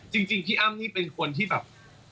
จริงพี่อ้ำนี่เป็นคนที่แบบ